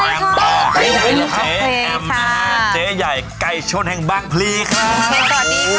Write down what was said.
เตะอามหาเจ๊ใหญ่ไก่ชนแห่งบ้างพลีอนดูห่า